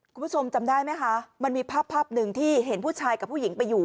คุณผู้ชมจำได้ไหมคะมันมีภาพภาพหนึ่งที่เห็นผู้ชายกับผู้หญิงไปอยู่